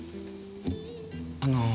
あの。